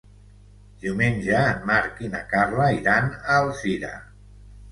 Diumenge en Marc i na Carla iran a Alzira.